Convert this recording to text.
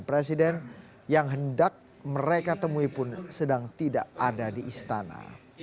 presiden yang hendak mereka temui pun sedang tidak ada di istana